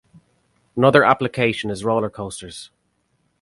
Another application is roller coasters.